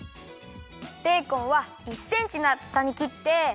ベーコンは１センチのあつさにきって。